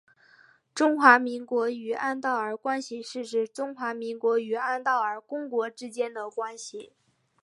中华民国与安道尔关系是指中华民国与安道尔公国之间的关系。